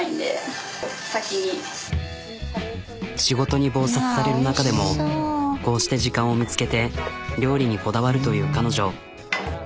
仕事に忙殺される中でもこうして時間を見つけて料理にこだわるという彼女。